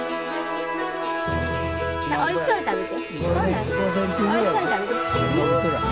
おいしそうに食べて！